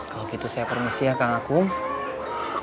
kalau gitu saya permisi ya kang akung